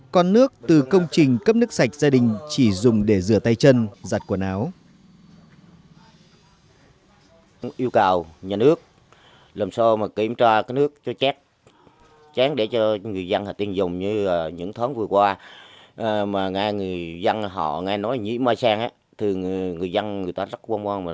còn nước từ công trình cấp nước sạch gia đình chỉ dùng để rửa tay chân giặt quần áo